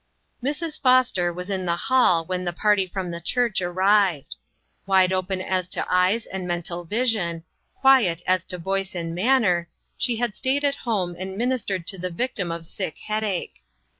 Mrs. Foster was in the hall when the party from the church arrived. Wide open as to eyes and mental vision, quiet as to voice and manner, she had "stiiid at home and ministered to the victim of sick head ache.